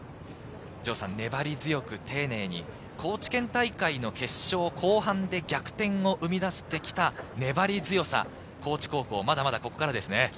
粘り強く丁寧に高知県大会決勝後半で逆転を生み出してきた粘り強さ、高知高校、まだまだここからですね。